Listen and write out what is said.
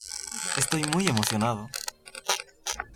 Estoy muy emocionado.